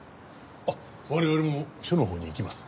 あっ我々も署のほうに行きます。